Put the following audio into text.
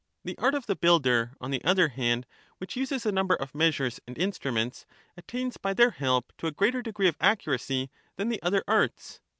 The art of the builder, on the other hand, which uses a number of measures and instruments, attains by their help to a greater degree of accuracy than the other arts.